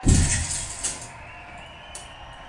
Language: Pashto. اقتصاد مو باید پیاوړی شي.